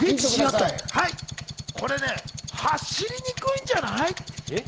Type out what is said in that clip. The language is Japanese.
これね、走りにくいんじゃない？